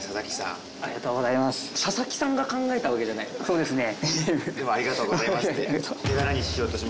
そうですね。